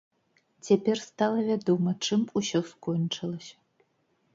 Цяпер стала вядома, чым усё скончылася.